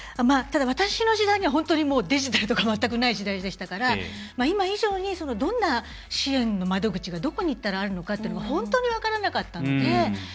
ただ、私の時代にはデジタルとか全くない時代でしたから今以上に、どんな支援の窓口がどこに行ったらあるのかっていうのが本当に分からなかったので。